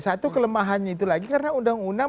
satu kelemahannya itu lagi karena undang undang